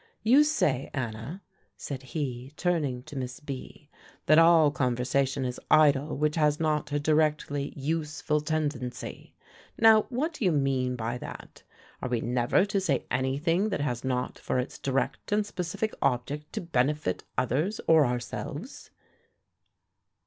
You say, Anna," said he, turning to Miss B., "that all conversation is idle which has not a directly useful tendency. Now, what do you mean by that? Are we never to say any thing that has not for its direct and specific object to benefit others or ourselves?"